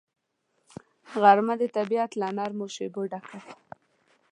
غرمه د طبیعت له نرمو شیبو ډکه ده